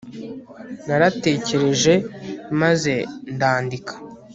naratekereje maze ndandika